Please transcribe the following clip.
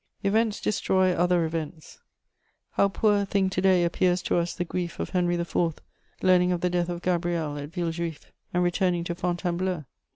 Events destroy other events; how poor a thing to day appears to us the grief of Henry IV. learning of the death of Gabrielle at Villejuif, and returning to Fontainebleau!